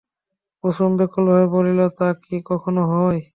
কুসুম ব্যাকুলভাবে বলিল, তা কি কখনো হয়?